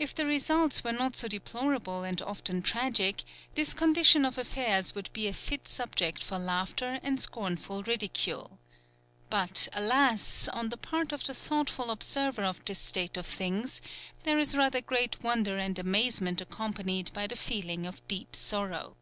If the results were not so deplorable and often tragic, this condition of affairs would be a fit subject for laughter and scornful ridicule. But, alas! on the part of the thoughtful observer of this state of things there is rather great wonder and amazement accompanied by the feeling of deep sorrow.